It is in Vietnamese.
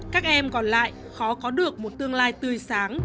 các em còn lại khó có được một tương lai tươi sáng